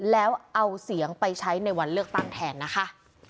แล้วเอาเสียงไปใช้ในวันเลือกตั้งแทนนะคะ